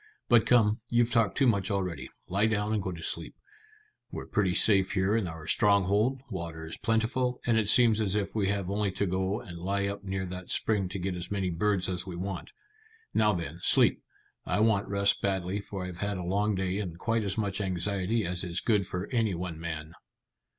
But come, you've talked too much already. Lie down and go to sleep. We're pretty safe here in our stronghold; water is plentiful; and it seems as if we have only to go and lie up near that spring to get as many birds as we want. Now then, sleep. I want rest badly, for I've had a long day and quite as much anxiety as is good for any one man."